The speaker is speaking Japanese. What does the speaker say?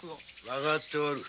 わかっておる。